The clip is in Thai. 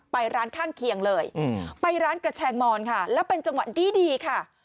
ไปร้านข้างเคียงเลยไปร้านกระแชงมอนค่ะแล้วเป็นจังหวะดีค่ะ